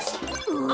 うわ。